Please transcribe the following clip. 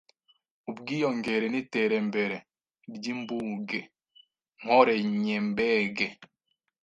Ubwiyongere n'iterembere ry'imbuge nkorenyembege